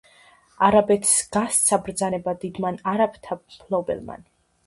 არაბეთს გასცა ბრძანება დიდმან არაბთა მფლობელმან: